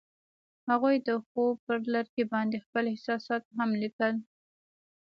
هغوی د خوب پر لرګي باندې خپل احساسات هم لیکل.